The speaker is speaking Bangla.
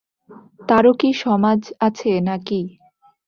তাঁরও কি সমাজ আছে না কি?